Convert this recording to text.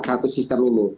satu sistem ini